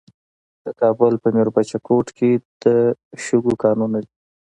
د کابل په میربچه کوټ کې د شګو کانونه دي.